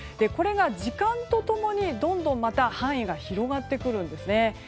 これが時間と共にどんどん範囲が広がってくるんですね。